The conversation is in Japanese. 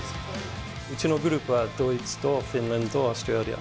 うちのグループは、ドイツとフィンランド、オーストラリア。